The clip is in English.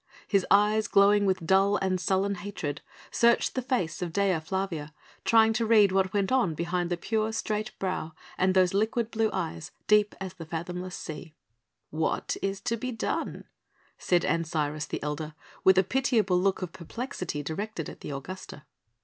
His eyes, glowing with dull and sullen hatred, searched the face of Dea Flavia, trying to read what went on behind the pure, straight brow and those liquid blue eyes, deep as the fathomless sea. "What is to be done?" said Ancyrus, the elder, with a pitiable look of perplexity directed at the Augusta.